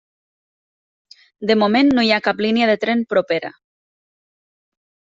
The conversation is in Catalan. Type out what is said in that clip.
De moment no hi ha cap línia de tren propera.